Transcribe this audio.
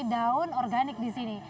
daun organik di sini